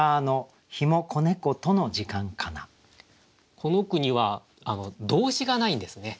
この句には動詞がないんですね。